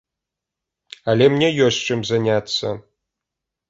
Але мне ёсць чым заняцца.